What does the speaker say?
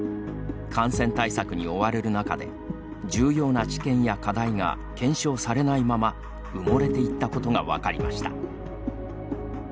感染対策に追われる中で、重要な知見や課題が検証されないまま埋もれていったことが分かりました。